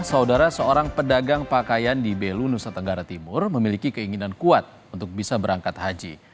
saudara seorang pedagang pakaian di belu nusa tenggara timur memiliki keinginan kuat untuk bisa berangkat haji